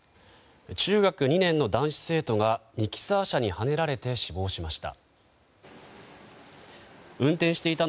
中学２年の男子生徒がミキサー車にはねられて死亡しました。